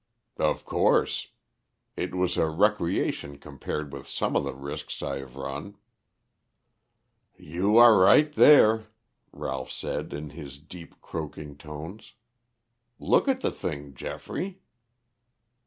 "Of course. It was a recreation compared with some of the risks I have run." "You are right there," Ralph said in his deep, croaking tones. "Look at the thing, Geoffrey."